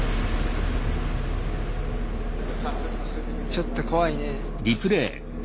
ちょっと怖いね。